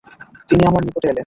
তিনি আমার নিকটে এলেন।